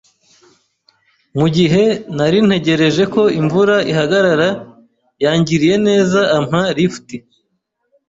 Mugihe nari ntegereje ko imvura ihagarara, yangiriye neza ampa lift.